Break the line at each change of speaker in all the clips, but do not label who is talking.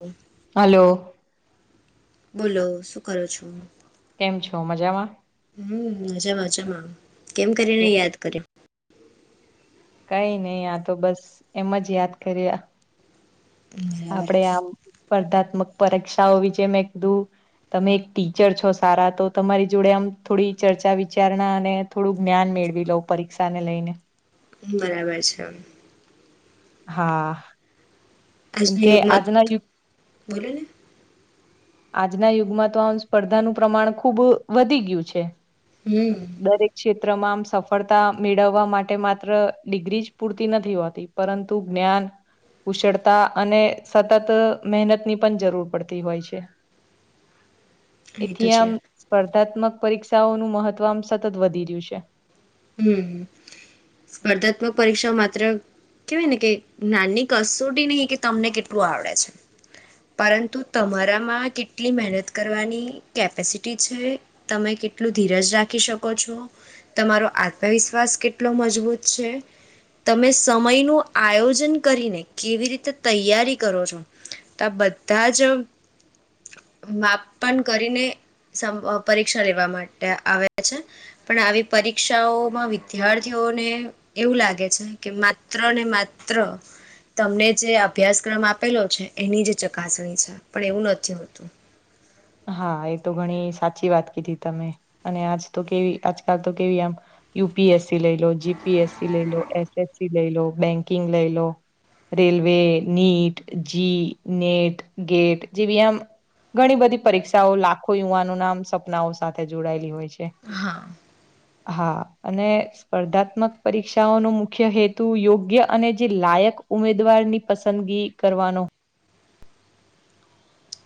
હમ.
Hello.
બોલો, શું કરો છો?
કેમ છો? મજામાં.
હમ, મજા મજામાં કેમ કરીને
કેવું
યાદ કર્યો?
કંઈ નહીં, આ તો બસ એમ જ યાદ કરીએ
બરાબર
આપડે આમ. સ્પર્ધાત્મક પરીક્ષાઓ વિશે મેં કીધું. તમે એક ટીચર છો સારા, તો તમારી જોડે આમ થોડી ચર્ચા વિચારણા અને થોડુંક જ્ઞાન મેળવી લઉં, પરીક્ષાને લઈને.
બરાબર છે.
હા. કેમ
આજના
કે
યુગમાં
આજના
તો-
યુગ
બોલો ને
આજના યુગમાં તો આમ સ્પર્ધાનું પ્રમાણ ખુબ વધી ગયું છે.
હમ.
દરેક ક્ષેત્રમાં આમ સફળતા મેળવવા માટે માત્ર ડિગ્રી જ પૂરતી નથી હોતી. પરંતુ જ્ઞાન, કુશળતા અને સતત મહેનત ની પણ જરૂર પડતી હોય છે.
એ તો
એથી
છે
આમ સ્પર્ધાત્મક પરીક્ષાઓનું મહત્વ આમ સતત વધી રહ્યું છે.
હ, મ સ્પર્ધાત્મક પરીક્ષા માત્ર કેવાય ને કે, નાની કસોટી નહીં, કે તમને કેટલું આવડે છે. પરંતુ તમારામાં કેટલી મહેનત કરવાની કેપેસિટી છે. તમે કેટલું ધીરજ રાખી શકો છો, તમારો આત્મવિશ્વાસ કેટલો મજબૂત છે. તમે સમય નું આયોજન કરીને કેવી રીતે તૈયારી કરો છો? તો આ બધા જ માપન કરીને પરીક્ષા લેવા માટે આવે છે. પણ આવી પરી પરીક્ષાઓમાં વિદ્યાર્થીઓને એવું લાગે છે કે, માત્ર ને માત્ર તમને જે અભ્યાસક્રમ આપેલો છે, એની જે ચકાસણી છે, પણ એવું નથી હોતું.
હા, એ તો ઘણી સાચી વાત કીધી તમે. અને આજ તો કેવી, આજકાલ તો કેવી આમ યુપીએસસી લઈ લો, જીપીએસસી લઈ લો, એસએસસી લઈ લો, બેંકિંગ લઈ લો. Railway, NEET, JEE, NET, GATE જેવી આમ ઘણી બધી પરીક્ષાઓ લાખો યુવાનો ના સપનાઓ સાથે જોડાયેલી હોય છે.
હા
હા, અને સ્પર્ધાત્મક પરીક્ષાઓનો મુખ્ય હેતુ, યોગ્ય અને જે લાયક ઉમેદવાર ની પસંદગી. કરવાનો.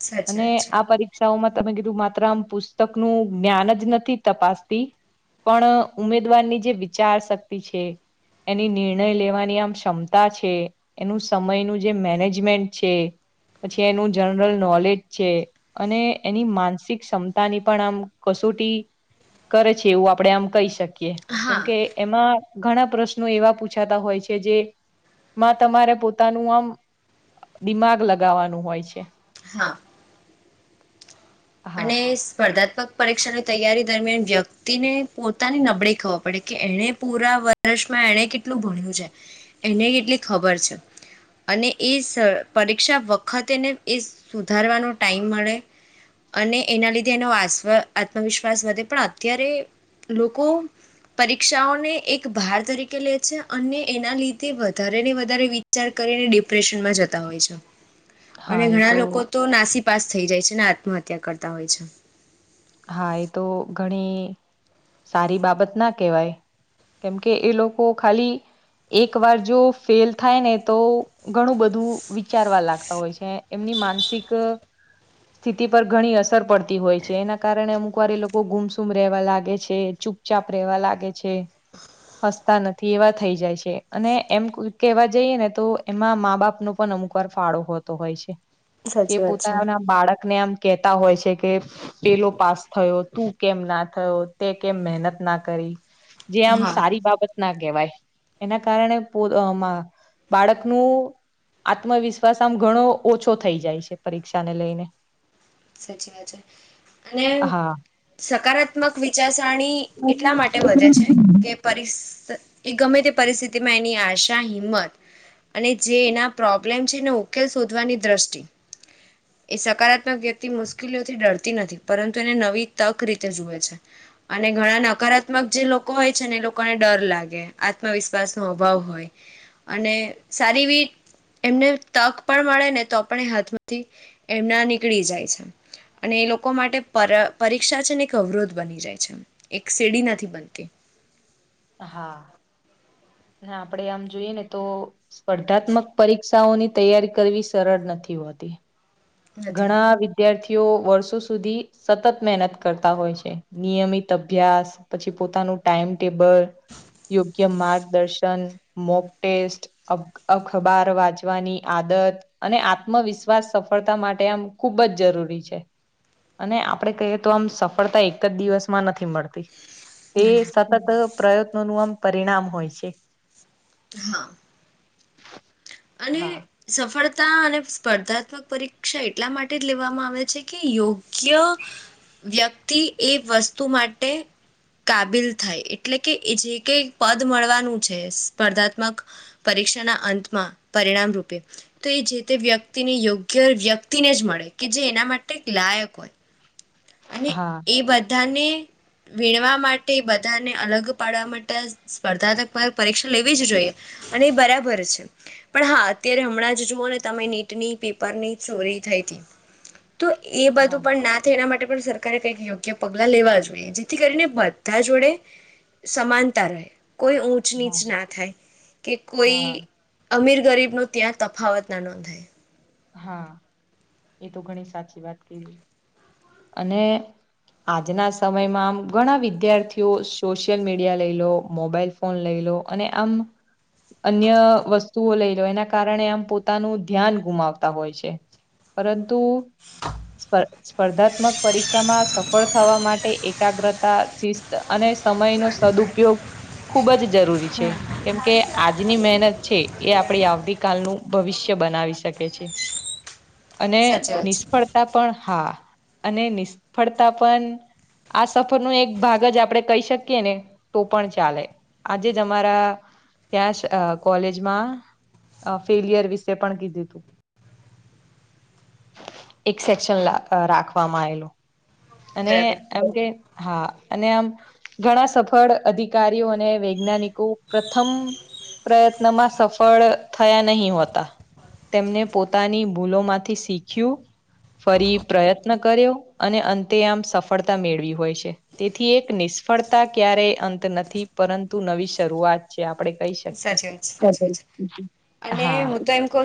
સાચી
અને
વાત છે
આ પરીક્ષાઓમાં, તમે કીધું, માત્ર આમ પુસ્તક નું જ્ઞાન જ નથી તપાસતી. પણ ઉમેદવારની જે વિચાર શક્તિ છે એની નિર્ણય લેવાની આમ ક્ષમતા છે એનું સમયનું જે મેનેજમેન્ટ છે પછી એનું જનરલ નોલેજ છે અને એની માનસિક ક્ષમતા ની પણ આમ કસોટી કરે છે એવું આપડે આમ કહી શકીએ
હા
કેમકે એમાં ઘણા પ્રશ્નો એવા પૂછાતા હોય છે જે માં તમારે પોતાનું આમ દિમાગ લગાવાનું હોય છે
હા
હા
અને સ્પર્ધાત્મક પરીક્ષાની તૈયારી દરમિયાન વ્યક્તિને પોતાની નબળી ખવ પડે કે એને પૂરા વ વર્ષમાં એને કેટલું ભણ્યું છે એને કેટલી ખબર છે અને એ સ પરીક્ષા વખતેને એ સુધારવાનો ટાઈમ મળે અને એના લીધે એનો આત્મવિશ્વાસ વધે પણ અત્યારે લોકો પરીક્ષાઓને એક ભાર તરીકે લે છે અને એના લીધે વધારે ને વધારે વિચાર કરીને ડિપ્રેશનમાં જતા હોય છે અને
હા એ
ઘણા લોકો તો નાસી પાસ થઈ જાય છે ને આત્મહત્યા કરતા હોય છે
હા એ તો ઘણી સારી બાબત ના કેહેવાય કેમકે એ લોકો ખાલી એક વાર જો ફેલ થાયને તો ઘણું બધું વિચારવા લાગતા હોય છે એમની માનસિક સ્થિતિ પર ઘણી અસર પડતી હોય છે એના કારણે અમુક વારી લોકો ગુમસુમ રહેેવા લાગે છે ચૂપચાપ રહેેવા લાગે છે હસતા નથી એવા થઈ જાય છે અને એમ કેવા જઈએ ને તો એમાં મા બાપનો પણ અમુકવાર ફાળો હોતો હોય છે કે
સાચી વાત છે.
પોતાના બાળકને આમ કેતા હોય છે કે પેલો પાસ થયો તું કેમ ના થયો તે કેમ મહેનત ના કરી જે આમ
હા
સારી બાબત ના કહેવાય એના કારણે પો બાળકનું આત્મવિશ્વાસ આમ ઘણો ઓછો થઈ જાય છે પરીક્ષા ને લઈને
સાચી વાત છે અને
હા
સકારાત્મક વિચારસરણી એટલા માટે વધે છે કે એ ગમે તે પરિસ્થિતિમાં એની આશા હિંમત અને જે એના પ્રોબ્લેમ છે એને ઉકેલ શોધવાની દ્રષ્ટિ એ સકારાત્મક વ્ય મુશ્કેલીઓથી ડરતી નથી પરંતુ એને નવી તક રીતે જુએ છે અને ઘણા નકારાત્મક જે લોકો હોય છે ને એ લોકોને ડર લાગે આત્મવિશ્વાસ નો અભાવ હોય અને સારી રીત એમને તક પણ મળે ને તો પણ એ હાથમાંથી એમના નીકળી જાય છે અને એ લોકો માટે પર પરીક્ષા છે ને એક અવરોધ બની જાય છે એક સેડી નથી બનતી
હા અને આપડે આમ જોઈએ ને તો સ્પર્ધાત્મક પરીક્ષાઓની તૈયારી કરવી સરળ નથી હોતી
નથી
ઘણા વિ વિદ્યાર્થીઓ વર્ષો સુધી સતત મહેનત કરતા હોય છે નિયમિત અભ્યાસ પછી પોતાનું ટાઈમ ટેબલ યોગ્ય માર્ગદર્શન મોક ટેસ્ટ અખબાર વાંચવાની આદત અને આત્મવિશ્વાસ સફળ તા માટે આમ ખુબ જ જરૂરી છે અને આપડે કહીએ તો આમ સફળતા એક જ દિવસમાં નથી મળતી તે
ના ના
સતત પ્રયત્નોનું આમ પરિણામ હોય છે
હા અને
હા
સફળતા અને સ્પર્ધાત્મક પરીક્ષા એટલા માટે જ લેવામાં આવે છે કે યોગ્ય વ્યક્તિ એ વસ્તુ માટે કાબિલ થાય એટલે કે એ જે કઈ પદ મળવાનું છે સ્પર્ધાત્મક પરીક્ષાના અંતમાં પરિણામ રૂપે તો એ જે તે વ્યક્તિને યોગ્ય વ્યક્તિને જ મળે કે જે એના માટે લાયક હોય અને
હા.
એ બધાને વીણવા માટે બધાને અલગ પાડવા માટે સ્પર્ધાત્મક પરીક્ષા લેવી જ જોઈએ અને એ બરાબર છે. પણ હા અત્યારે હમણાં જ જુઓ ને તમે નીટની પેપરની ચોરી થઈ હતી. તો એ બધું
હા
પણ ના થાય એના માટે પણ સરકારે કઈક યોગ્ય પગલા લેવા જોઈએ જેથી કરીને બધા જોડે સમાનતા રહે કોઈ ઊંચ
હા
ની ના થાય કે કોઈ
હા
અમીર ગરીબ ન ત્યાં તફાવત ના નોંધાય
હા. એ તો ઘણી સાચી વાત કે અને આજના સમયમાં આમ ઘણા વિદ્યાર્થીઓ સોશિયલ મીડિયા લઈ લો મોબાઈલ ફન લઈ લો અને આમ અન્ય વસ્તુઓ લઈ લો એના કારણે આમ પોતાનું ધ્યાન ગુમાવ હોય છે. પરંતુ સ્પર્ધાત્મક પરીક્ષામાં સફળ થવા માટે એકાગ્રતા શિ અને સમય નો સદઉપયોગ ખુબ જ જરૂરી કેમ કે આજની મહેનત છે એ આપડી આવતી કલનું ભવિષ્ય બનાવી શકે છે. અને
સાચી વાત છે
નિષ્ફળતા પણ હા અને નિષ્ફળતા પણ આ સફર નો એક ભાગ જ આપણે કહી શકીએ ને તો પણ ચાલે આજે જ અમારા ત્યાં કોલેજમા ફેલિયર વિશે પણ કીધું તુ એક સેક્શન રાખવામાં આવેલું અને
બરાબર
એમ કે હા. અને આમ ઘણા સફળ અધિકારીઓ અને વૈજ્ઞાનિકો પ્રથમ પ્રયત્નમાં સફળ થયા નહીં હોતા. તેમને પોતાની ભૂલો માંથી શીખ્યું ફરી પ્રયત્ન કર્યો અને અંતે આમ સફળતા મેળવી હોય છે. તેથી એક નિષ્ફળતા ક્યારેય અંત નથી પરંતુ નવી શરૂઆત આપડે કહી શકીએ
સાચી વાત છે
હા.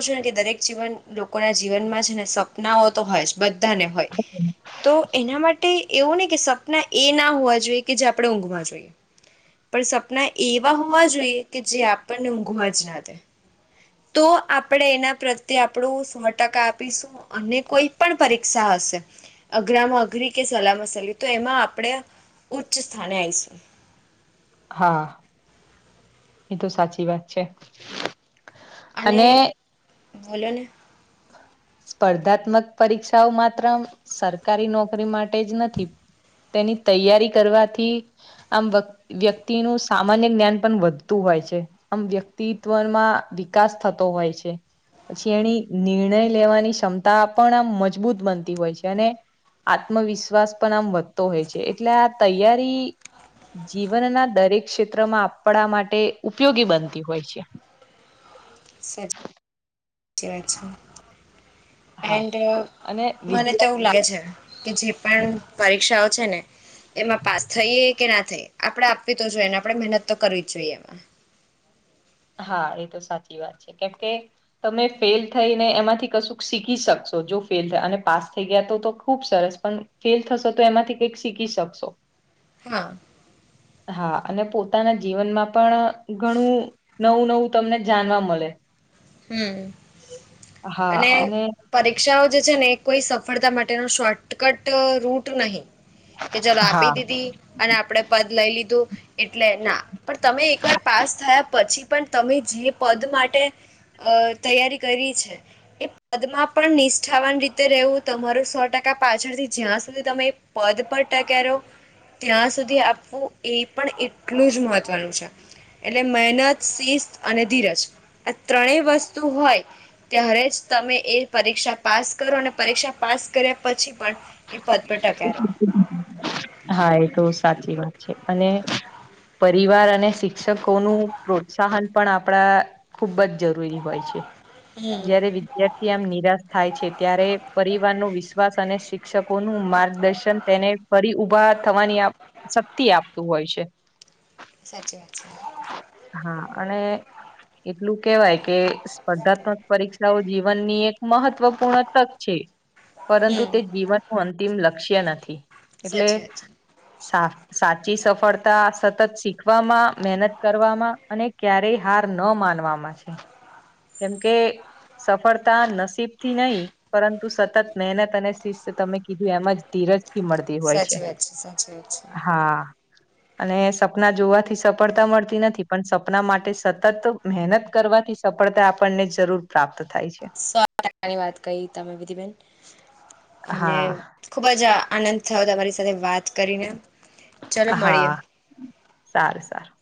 છો ને કે દરેક જીવન લોકોના જીવનમાં છે ને સપનાઓ તો હોય. જ બધાને હોય તો એના માટે માટે એવું ને કે સપના એ ના હોવા જોઈએ કે જે આપણે ઊંઘવા જોઈએ પણ સપના એવા હોવા જોઈએ કે જે આપણને ઊંઘવા જ ના દે તો આપણેે એના પ્રત્યે આપણું સો ટકા આપીશું અને કોઈ પણ પરીક્ષા હશે અઘરામાં અઘરી કે સલામાં સલી તો એમાં આપણે ઉચ્ચ સ્થાને આવીશું
હા એ તો સાચી વાત છે.
અને બોલો્યો ને
સ્પર્ધાત્મક પરીક્ષાઓ માત્ર સરકારી નોકરી માટે જ નથી. તેની તૈયારી કરવાથી આમ વ વ્યક્તિનુંું સામાન્ય જ્ઞાન પણ વધતું હોય છે. આમ વ્યક્તિત્વમાં વિકાસ થતો હોય છે. પછી એની નિર્ણય લેવાની ક્ષમતા પણ આમ મજબૂત બનતી હોય છે. અને આત્મવિશ્વાસ પણ આમ વધતો હોય છે. એટલે આ તૈયારી જીવનના દરેક ક્ષેત્રમાં આપણા માટે ઉપયોગી બનતી હોય છે.
સાચી વા છે.
હા
એન્ડ
અને
મને
વિદ્યા
તો લાગે છે કે જે પણ પરીક્ષાઓ છે ને એમાં પાસ થઈ કે ના થઈ આપડે આપવી તો જોઈએ ને આપડણે મહેનત તો કરવી જ જોઈએ એમાં
હા એ તો સાચી વાત છે કેમ કે તમે ફેલ થઈને એમાંથી કશું શીખી શકશો જો ફેલ થ અને પાસ થઈ ગયા તો તો ખુબ સરસ પણ ફેલ થશો તો એમાંથી કંઈક શીખી શકશો
હા
હા અને પોતાના જીવનમાં પણ ઘણું નવું નવું તમને જાણવા મળે
હમ અને પરીક્ષાઓ જે છે ને એ કોઈ સફળતા માટેનો શોર્ટકટ રૂટ નહીિ કે ચલો આપી
હા
દીધી અને આપડે પદ લઈ લીધું એટલે ના પણ તમે એકવાર પાસ થયા પછી પણ તમે જે પદ માટે અ તૈયારી કરી છે એ પદમાં પણ નિષ્ઠાવાન રીતે રહેવું તમારું સો ટકા પાછળથી જ્યાં સુધી તમે પદ પર ટકો ત્યાં સુધી આપવું એ પણ એટલું જ મહત્વનું છે એટલે મહેનત શિસ્ત અને ધીરજ આ ત્રણેય વસ્તુ હોય ત્યારે જ તમે એ પરીક્ષા પાસ કરો અને પરીક્ષા પાસ કર્યા પછી પણ એ પદ પર ટકો
[inaudible] હા એ તો સાચી વાત છે અને પરિવાર અને શિક્ષકોનુંું પ્રોત્સાહન પણ આપણા ખૂબ જ જરૂરી હોય છે
હમ
જય્યારે વિ્યારથી આમ નિરાશ થાય છે ત્યારે પરિવાર નો વિશ્વાસ અને શિક્ષકોનુંું માર્ગદર્શન તેને ફરી ઉઊભા થવાની શક્તિ આપતું હોય છે
સાચી વાત છે
હા અને એટલું કેવાય કે સ્પર્ધાત્મક પરીક્ષાઓ જીવનની એક મહત્વપૂર્ણ તક છે પરંતુ
હમ
તે જીવન નું અંતિમ લક્ષ્ય નથી એટલે
સાચી વાત છે.
સાફ સાચી સફળતા સતત શીખવામાં મહેનત કરવામાં અને ક્યારેય હાર ન માનવામાં કેમ કે સફળતા નસીબ થી નહી પરંતુ સતત મહેનત અને તમે કીધું એમાં જ ધીરજથી મળતી હોય છે
સાચી વાત સાચી વાત છે
હા અને સપના જોવાથી સફળતા મળતી નથી પણ સપના માટે સતત મહેનત કરવાથી સફળતા આપણને જરૂર પ્રાપ્ત થાય છે.
સો ટકાની વાત કહી તમે વિધિબેન અને
હા.
ખુબ જ આનંદ થયો તમારી સાથે વાત કરીને ચલો મળીએ
હા સારું સારું